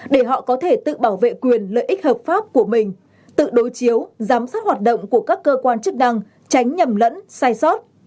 để họ có thể tự bảo vệ quyền lợi ích hợp pháp của mình tự đối chiếu giám sát hoạt động của các cơ quan chức năng tránh nhầm lẫn sai sót